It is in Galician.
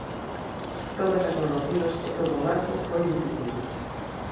Todas as normativas e todo o marco foi definido.